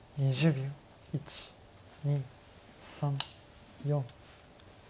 １２３４。